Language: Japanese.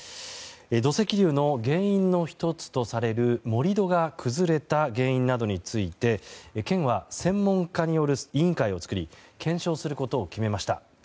土石流の原因の１つとされる盛り土が崩れた原因などについて県は専門家による委員会を作り検証することを決めました。